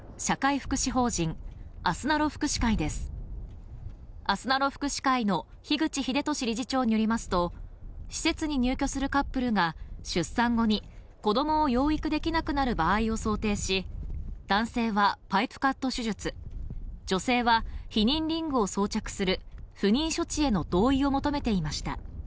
福祉会の樋口英俊理事長によりますと施設に入居するカップルが出産後に子供を養育できなくなる場合を想定し、男性はパイプカット手術、女性は避妊リングを装着する不妊処置への同意を求めていました。